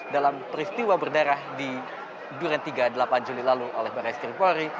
dalam peristiwa berdarah di duren tiga delapan juli lalu oleh barai skrimpori